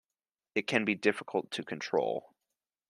It can be difficult to control.